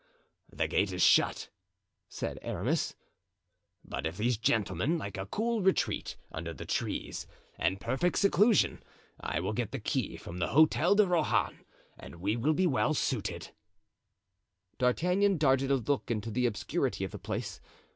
"The gate is shut," said Aramis, "but if these gentlemen like a cool retreat under the trees, and perfect seclusion, I will get the key from the Hotel de Rohan and we shall be well suited." D'Artagnan darted a look into the obscurity of the Place.